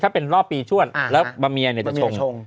ถ้าเป็นรอบปีชวดแล้วบาเมียจะชง